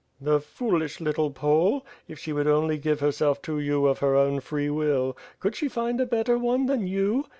"The foolish little Pole. If she would only give herself to you of her own free will. Could she find a better one than you?"